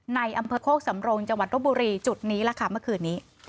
ในอำเภอโคกสำรงจังหวัดรบบุรีจุดนี้แหละค่ะเมื่อคืนนี้